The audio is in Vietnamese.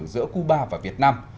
giữa cuba và việt nam